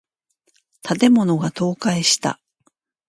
建物が倒壊した。